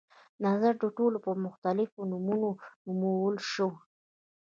نظر د ټولنو ته په مختلفو نمونو نومول شوي.